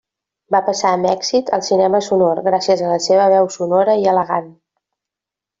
Va passar amb èxit al cinema sonor gràcies a la seva veu sonora i elegant.